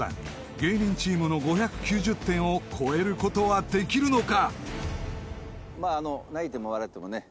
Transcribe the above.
［芸人チームの５９０点を超えることはできるのか］